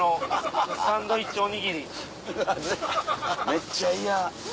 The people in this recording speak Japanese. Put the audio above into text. めっちゃ嫌。